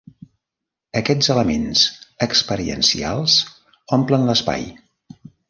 Aquests elements experiencials omplen l'espai.